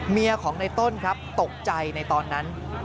เมียของในต้นครับตกใจในตอนนั้น